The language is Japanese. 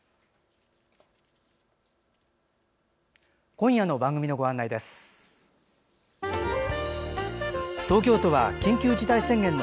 今夜の番組のご案内です。